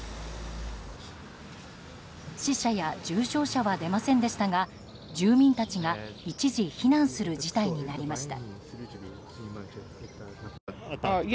死者や重傷者は出ませんでしたが住民たちが一時避難する事態になりました。